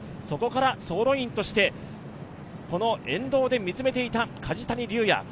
そこから走路員として沿道で見つめていた梶谷瑠哉。